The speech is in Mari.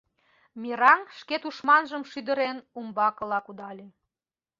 Мераҥ, шке тушманжым шӱдырен, умбакыла кудале.